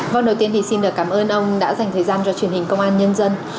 vâng đầu tiên thì xin được cảm ơn ông đã dành thời gian cho truyền hình công an nhân dân